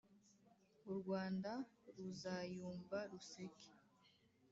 U Rwanda ruzayumva ruseke.